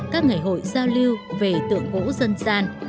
các ngày hội giao lưu về tượng gỗ dân gian